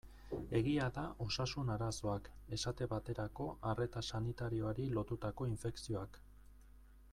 Egia da osasun arazoak, esate baterako arreta sanitarioari lotutako infekzioak.